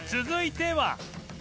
続いては